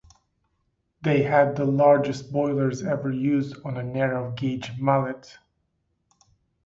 They had the largest boilers ever used on a narrow-gauge Mallet.